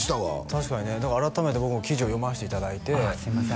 確かにねだから改めて僕も記事を読ませていただいてすいません